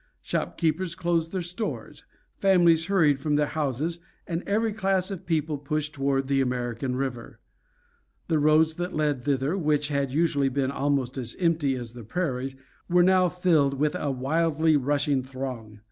Shopkeepers closed their stores, families hurried from their houses, and every class of people pushed toward the American River. The roads that led thither, which had usually been almost as empty as the prairies, were now filled with a wildly rushing throng.